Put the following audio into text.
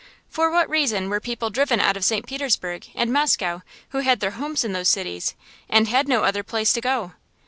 For what reason were people driven out of St. Petersburg and Moscow who had their homes in those cities, and had no other place to go to?